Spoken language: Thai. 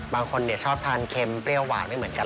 บางคนชอบทานเค็มเปรี้ยวหวานไม่เหมือนกัน